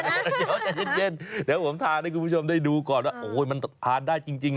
เดี๋ยวจะเย็นผมทานให้คุณผู้ชมได้ดูก่อนโอ้ยมันทานได้จริงนะ